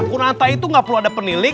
konata itu engga perlu ada penilik